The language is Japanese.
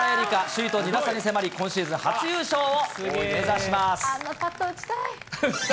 首位と２打差に迫り、今シーズン初優勝を目指します。